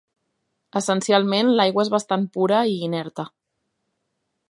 Essencialment, l'aigua és bastant pura i inerta.